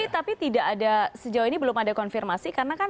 tapi sejauh ini belum ada konfirmasi karena kan